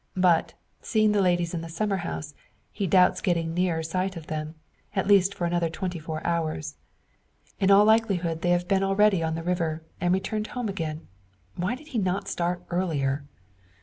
But, seeing the ladies in the summer house, he doubts getting nearer sight of them at least for another twenty four hours. In all likelihood they have been already on the river, and returned home again. Why did he not start earlier?